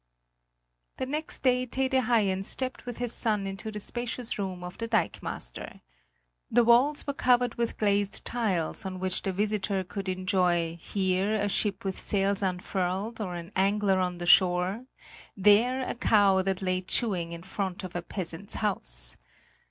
The next day Tede Haien stepped with his son into the spacious room of the dikemaster. The walls were covered with glazed tiles on which the visitor could enjoy here a ship with sails unfurled or an angler on the shore, there a cow that lay chewing in front of a peasant's house.